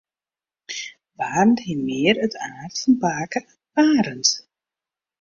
Barend hie mear it aard fan pake Barend.